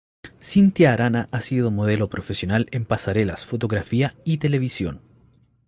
Cynthia Arana ha sido modelo profesional en pasarelas, fotografía y televisión.